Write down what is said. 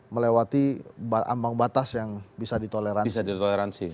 melewati ambang batas yang bisa ditoleransi